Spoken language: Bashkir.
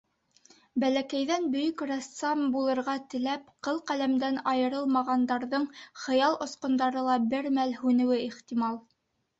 Бәләкәйҙән бөйөк рәссам булырға теләп, ҡылҡәләмдән айырылмағандарҙың хыял осҡондары ла бер мәл һүнеүе ихтимал.